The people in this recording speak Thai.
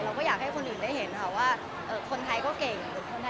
เราก็อยากให้คนอื่นได้เห็นค่ะว่าเอ่อคนไทยก็เก่งคนไทยก็ทำได้ค่ะ